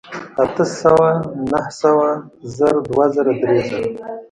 اتۀ سوه نهه سوه زر دوه زره درې زره